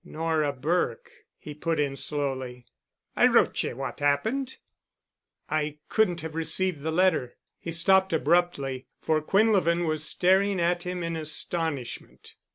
"Nora Burke——" he put in slowly. "I wrote ye what happened——" "I couldn't have received the letter——" He stopped abruptly, for Quinlevin was staring at him in astonishment.